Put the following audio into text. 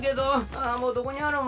ああもうどこにあるん？